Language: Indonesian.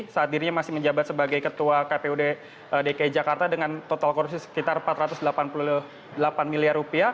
saat dirinya masih menjabat sebagai ketua kpud dki jakarta dengan total korupsi sekitar rp empat ratus delapan puluh delapan miliar